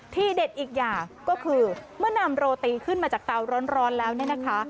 เด็ดอีกอย่างก็คือเมื่อนำโรตีขึ้นมาจากเตาร้อนแล้วเนี่ยนะคะ